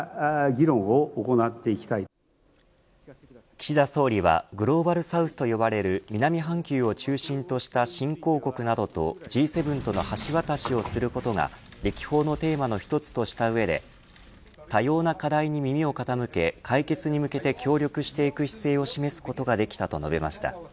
岸田総理はグローバルサウスと呼ばれる南半球を中心とした新興国などとＧ７との橋渡しをすることが歴訪のテーマの一つとした上で多様な課題に耳を傾け解決に向けて協力していく姿勢を示すことができたと述べました。